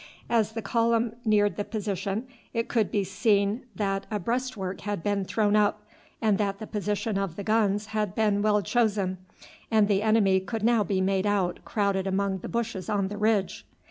As the column neared the position it could be seen that a breastwork had been thrown up, and that the position of the guns had been well chosen, and the enemy could now be made out crowded among the bushes on the ridge.